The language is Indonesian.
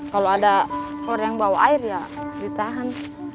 kalau ada orang yang bawa air ya ditahan